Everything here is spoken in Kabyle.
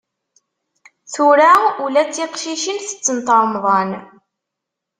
Tura ula d tiqcicin tettent remḍan.